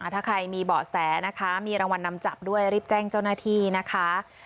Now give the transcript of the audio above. ถ้าใครมีเบาะแสนะคะมีรางวัลนำจับด้วยรีบแจ้งเจ้าหน้าที่นะคะ